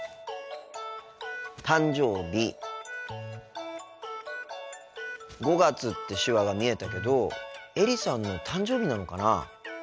「誕生日」「５月」って手話が見えたけどエリさんの誕生日なのかな？